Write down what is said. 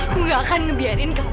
aku tidak akan membiarkan kamu